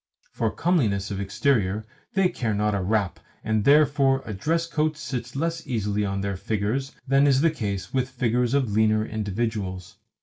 For comeliness of exterior they care not a rap, and therefore a dress coat sits less easily on their figures than is the case with figures of leaner individuals.